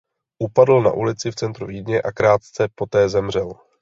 Upadl na ulici v centru Vídně a krátce poté zemřel.